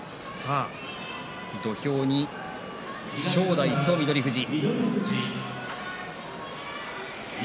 土俵に正代と翠富士。